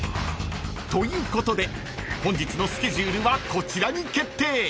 ［ということで本日のスケジュールはこちらに決定］